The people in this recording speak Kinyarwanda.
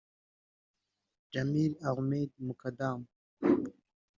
Jamil Ahmed Mukadam